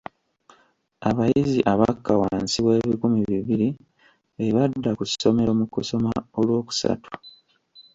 Abayizi abakka wansi w'ebikumi bibiri be badda ku ssomero mu kusoma olwokusatu.